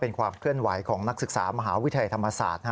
เป็นความเคลื่อนไหวของนักศึกษามหาวิทยาลัยธรรมศาสตร์